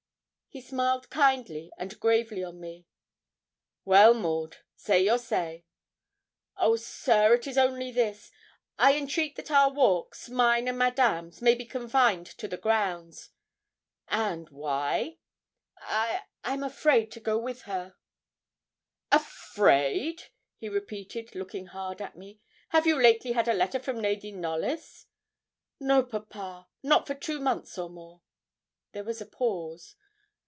He smiled kindly and gravely on me. 'Well, Maud, say your say.' 'Oh, sir, it is only this: I entreat that our walks, mine and Madame's may be confined to the grounds.' 'And why?' 'I I'm afraid to go with her.' 'Afraid!' he repeated, looking hard at me. 'Have you lately had a letter from Lady Knollys?' 'No, papa, not for two months or more.' There was a pause.